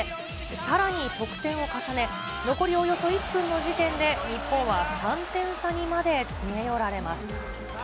さらに得点を重ね、残りおよそ１分の時点で、日本は３点差にまで詰め寄られます。